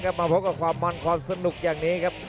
มาพบกับความมันความสนุกอย่างนี้ครับ